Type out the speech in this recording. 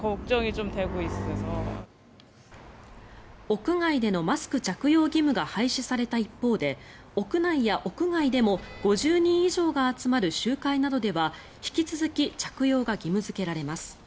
屋外でのマスク着用義務が廃止された一方で屋内や屋外でも５０人以上が集まる集会などでは引き続き着用が義務付けられます。